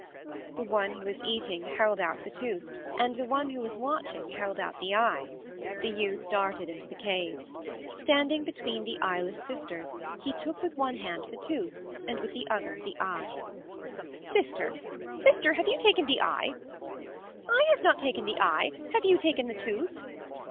The one who was eating held out the tooth, and the one who was watching held out the eye. The youth darted into the cave. Standing between the eyeless sisters, he took with one hand the tooth and with the other the eye. "Sister, sister, have you taken the eye?" "I have not taken the eye. Have you taken the tooth?"